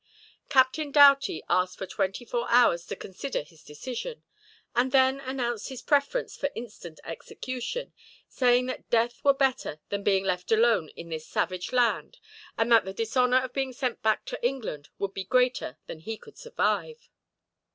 Captain Doughty asked for twenty four hours to consider his decision, and then announced his preference for instant execution, saying that death were better than being left alone in this savage land, and that the dishonor of being sent back to England would be greater than he could survive.